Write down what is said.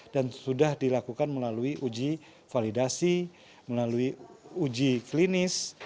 dan sudah dilakukan melalui uji validasi melalui uji klinis